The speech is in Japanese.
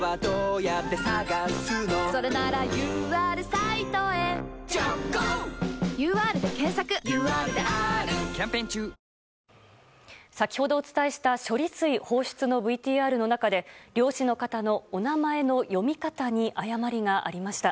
サントリー「金麦」先ほどお伝えした処理水放出のＶＴＲの中で漁師の方のお名前の読み方に誤りがありました。